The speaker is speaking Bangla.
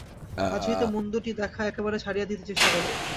আজ হইতে মন্দটি দেখা একেবারে ছাড়িয়া দিতে চেষ্টা কর।